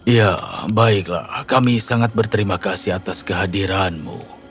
ya baiklah kami sangat berterima kasih atas kehadiranmu